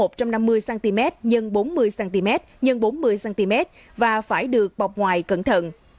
một trăm năm mươi cm x bốn mươi cm x bốn mươi cm và phải được bọc ngoài cẩn thận